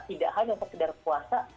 tidak hanya sekedar puasa